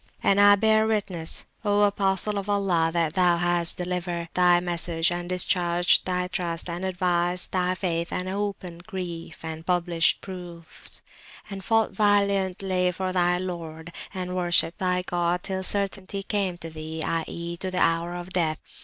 And I bear Witness, O Apostle of Allah! that Thou hast delivered thy Message, and discharged Thy Trust, and advised Thy Faith, and opened Grief, and published Proofs, and fought valiantly for Thy Lord, and worshipped Thy God till Certainty came to Thee (i.e. to the hour of death).